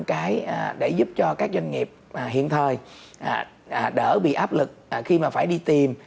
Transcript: cái để giúp cho các doanh nghiệp hiện thời đỡ bị áp lực khi mà phải đi tìm